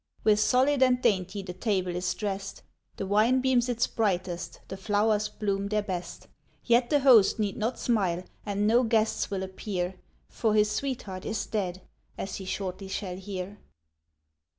With solid and dainty the table is drest, The wine beams its brightest, the flowers bloom their best; Yet the host need not smile, and no guests will appear, For his sweetheart is dead, as he shortly shall hear.